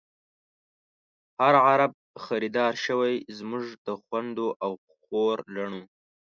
هر عرب خریدار شوۍ، زمونږ د خوندو او خور لڼو